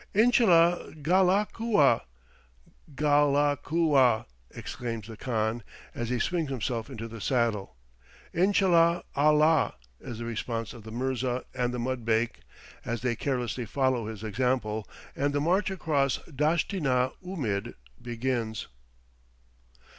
"Inshallah, Ghalakua, Gh al a kua!" exclaims the khan, as he swings himself into the saddle. "Inshallah, Al lah," is the response of the mirza and the mudbake, as they carelessly follow his example, and the march across the Dasht i na oomid begins.